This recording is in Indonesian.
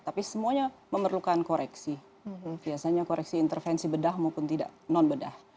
tapi semuanya memerlukan koreksi biasanya koreksi intervensi bedah maupun tidak non bedah